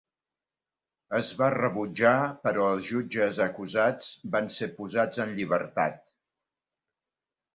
Es va rebutjar, però els jutges acusats van ser posats en llibertat.